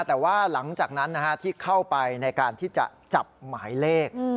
แต่ว่าหลังจากนั้นที่เข้าไปในการที่จะจับหมายเลข